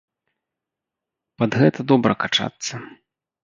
Пад гэта добра качацца.